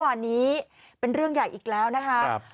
วันนี้เป็นเรื่องใหญ่อีกแล้วนะคะ